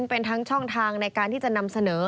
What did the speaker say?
เป็นทั้งช่องทางในการที่จะนำเสนอ